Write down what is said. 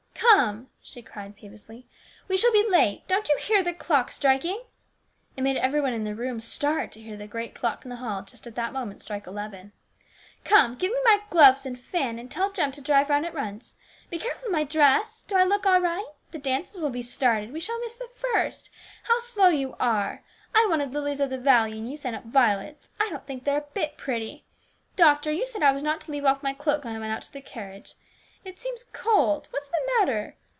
" Come !" she cried peevishly, " we shall be late. Don't you hear the clock striking ?" It made every one in the room start to hear the great clock in the hall just at that moment strike eleven. " Come ! give me my gloves and fan, and tell Jem to drive round at once. Be careful of my dress ! Do I look all right ? The dances will be started. We shall miss the first. How slow you are ! I wanted lilies of the valley, and you sent up violets. I don't think they are a bit pretty. Doctor, you said I was not to leave off my cloak when I went out to the carriage. It seems cold ! What is the matter